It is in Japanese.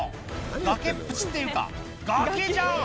崖っぷちっていうか崖じゃん！